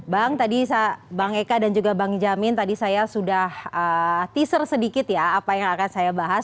bang tadi bang eka dan juga bang jamin tadi saya sudah teaser sedikit ya apa yang akan saya bahas